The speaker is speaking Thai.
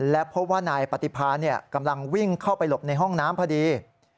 และพบว่านายปฏิพากำลังวิ่งเข้าไปหลบในห้องน้ำพอดี